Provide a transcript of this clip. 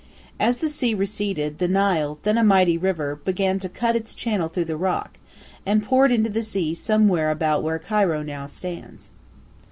As the sea receded, the Nile, then a mighty river, began to cut its channel through the rock, and poured into the sea somewhere about where Cairo now stands.